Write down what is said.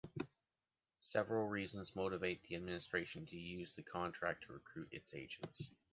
Several reasons motivates the administration to use the contract to recruit its agents.